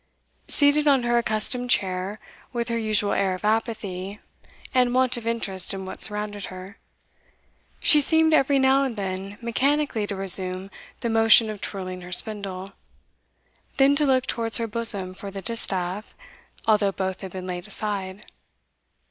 Seated on her accustomed chair, with her usual air of apathy, and want of interest in what surrounded her, she seemed every now and then mechanically to resume the motion of twirling her spindle; then to look towards her bosom for the distaff, although both had been laid aside.